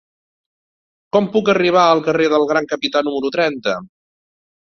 Com puc arribar al carrer del Gran Capità número trenta?